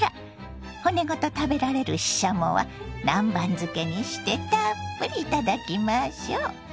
骨ごと食べられるししゃもは南蛮漬けにしてたっぷりいただきましょ。